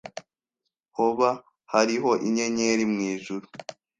Hoba hariho inyenyeri mwijuru?